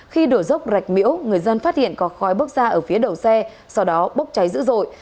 khi đổ dốc rạch miễu người dân phát hiện có khói bốc ra ở phía đầu xe sau đó bốc cháy dữ dội